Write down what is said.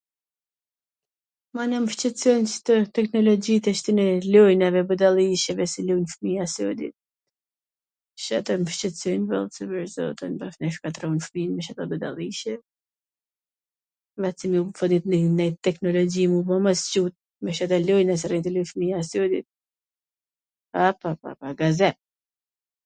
mana m shqetsojn kto teknologjit e ktyne lojnave budalliqeve si lujn fmiija sodi, Cato m shqetsojn boll se pwr zotin tash na i shkatrrun fmijn me kto budalliqe, m t cin ... ne teknologji m' u bo ma t squt, asht edhe lojna ... fmija sodi, apapa, gazep!